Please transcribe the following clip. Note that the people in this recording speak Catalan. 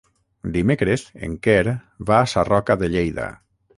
Dimecres en Quer va a Sarroca de Lleida.